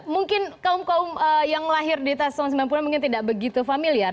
mungkin kaum kaum yang melahir di tahun sembilan puluh mungkin tidak begitu familiar